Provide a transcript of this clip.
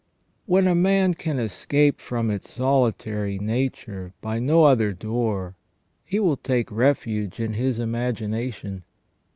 When a man can escape from its solitary nature by no other door, he will take refuge in his imagination.